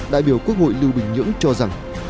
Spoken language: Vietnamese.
đại biểu quốc hội lưu bình nhưỡng cho rằng